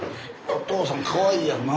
お父さんかわいいやんな。